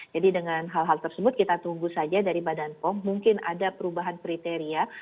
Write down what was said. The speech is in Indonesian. dengan hal hal tersebut kita tunggu saja dari badan pom mungkin ada perubahan kriteria